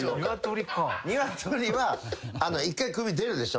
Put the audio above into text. ニワトリは一回首出るでしょ。